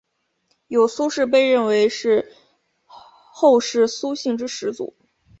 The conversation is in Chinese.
有苏氏被认为是后世苏姓之始祖。